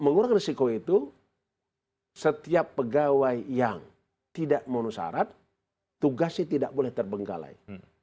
mengurangi risiko itu setiap pegawai yang tidak menusarat tugasnya tidak boleh terbengkalai